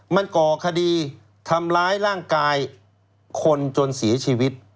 มันก่อคดีทำร้ายร่างกายคนจนเสียชีวิต